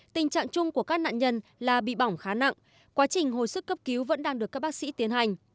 tình trạng chung của các nạn nhân là bị bỏng khá nặng quá trình hồi sức cấp cứu vẫn đang được các bác sĩ tiến hành